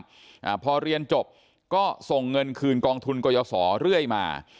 อ่าพอเรียนจบก็ส่งเงินคืนกองทุนกรยาศรเรื่อยมา